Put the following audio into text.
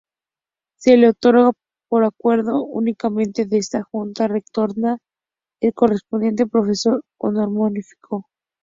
Se le otorga por acuerdo unánime de esta junta rectora el correspondiente Profesor Honorífico.